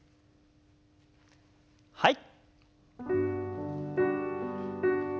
はい。